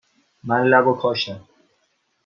من لبو کاشتم.